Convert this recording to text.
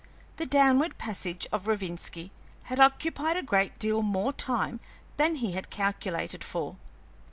The downward passage of Rovinski had occupied a great deal more time than he had calculated for.